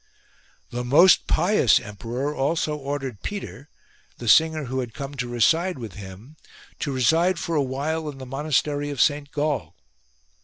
The most pious emperor also ordered Peter, the singer who had come to reside with him, to reside for a while in the monastery of St Gall.